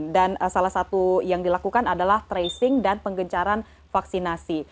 salah satu yang dilakukan adalah tracing dan penggencaran vaksinasi